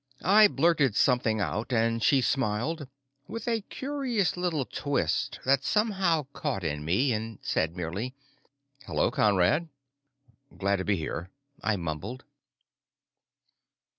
I blurted something out and she smiled, with a curious little twist that somehow caught in me, and said merely, "Hello, Conrad." "Glad to be here," I mumbled.